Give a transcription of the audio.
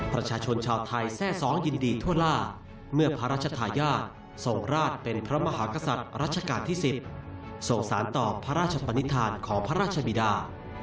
ประชาชนชาวไทยแทร่ซ้องยินดีทั่วล่าเมื่อพระราชทายาททรงราชเป็นพระมหากษัตริย์รัชกาลที่๑๐ส่งสารต่อพระราชปนิษฐานของพระราชบิดา